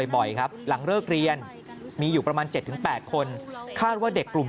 บ่อยครับหลังเลิกเรียนมีอยู่ประมาณ๗๘คนคาดว่าเด็กกลุ่ม